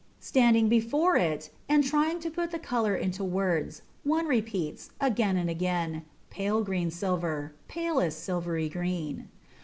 Standing before it, and trying to put the colour into words, one repeats, again and again, pale green silver palest silvery green!